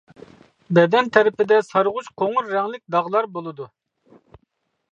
بەدەن تەرىپىدە سارغۇچ قوڭۇر رەڭلىك داغلار بولىدۇ.